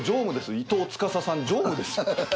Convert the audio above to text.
伊藤司さん常務ですよ。